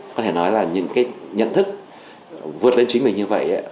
có thể nói là những cái nhận thức vượt lên chính mình như vậy